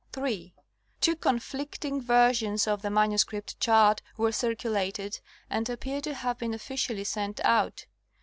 (3) Two conflicting versions of the manuscript chart were circulated and appear to have been officially sent out.